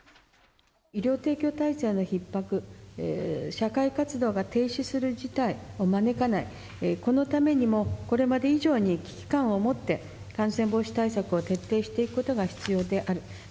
医療提供体制のひっ迫、社会活動が停止する事態を招かない、このためにも、これまで以上に危機感を持って、感染防止対策を徹底していくことが必要である。